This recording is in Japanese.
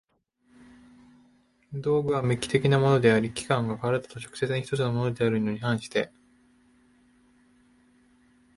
道具は無機的なものであり、器宮が身体と直接に一つのものであるに反して